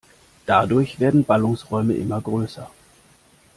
Dadurch werden Ballungsräume immer größer.